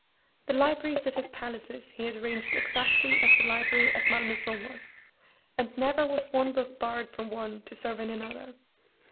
The libraries at his palaces he had arranged exactly as the library at Malmaison was, and never was one book borrowed from one to serve in another.